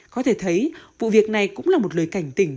có thể thấy vụ việc này cũng là một lời cảnh tỉnh